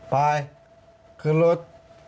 ไปขึ้นรถ